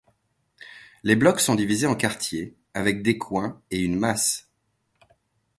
Les blocs sont divisés en quartiers avec des coins et une masse.